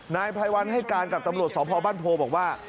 ภายวัลให้การกับตำรวจสมภาวบ้านโพบอกว่า